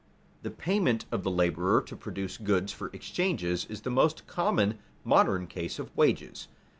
_The payment of the laborer to produce goods for exchange is the most common modern case of wages.